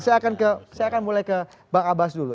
saya akan mulai ke bang abbas dulu